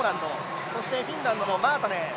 そしてフィンランドのマータネン。